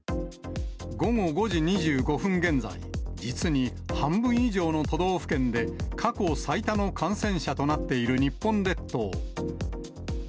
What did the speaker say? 午後５時２５分現在、実に半分以上の都道府県で、過去最多の感染者となっている日本列島。